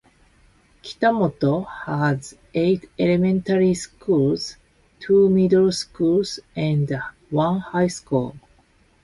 Kitamoto has eight elementary schools, two middle schools and one high school.